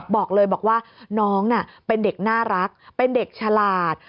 บอกเลยบอกว่าน้องเป็นเด็กน่ารักเป็นเด็กฉลาด